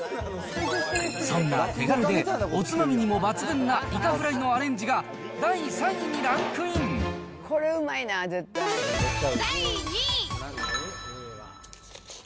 そんな手軽でおつまみにも抜群なイカフライのアレンジが第３位に第２位。